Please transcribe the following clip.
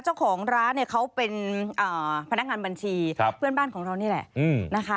เจ้าของร้านเนี่ยเขาเป็นพนักงานบัญชีเพื่อนบ้านของเรานี่แหละนะคะ